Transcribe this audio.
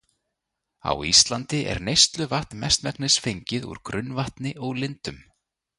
Á Íslandi er neysluvatn mestmegnis fengið úr grunnvatni og lindum.